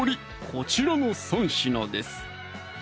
こちらの３品です